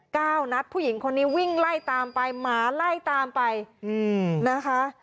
เก้านัดผู้หญิงคนนี้วิ่งไล่ตามไปหมาไล่ตามไปอืมนะคะ